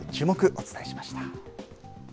お伝えしました。